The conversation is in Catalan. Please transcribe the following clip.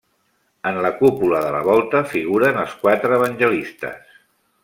En la cúpula de la volta figuren els quatre evangelistes.